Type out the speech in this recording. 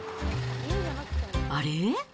あれ？